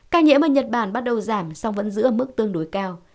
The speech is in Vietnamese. ca nhiễm ở nhật bản bắt đầu giảm song vẫn giữ ở mức tương đối cao